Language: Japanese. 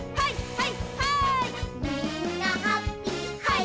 はははい！